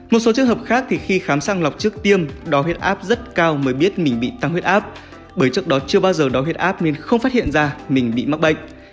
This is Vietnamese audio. một số trường hợp khác thì khi khám sang lọc trước tiêm đo huyết áp rất cao mới biết mình bị tăng huyết áp bởi trước đó chưa bao giờ đo huyết áp nên không phát hiện ra mình bị mắc bệnh